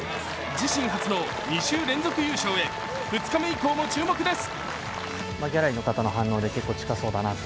自身初の２週連続優勝へ２日目以降も注目です。